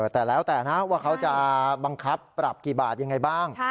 แต่แล้วแต่นะว่าเขาจะบังคับปรับกี่บาทยังไงบ้าง